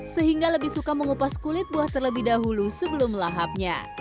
sehingga lebih suka mengupas kulit buah terlebih dahulu sebelum lahapnya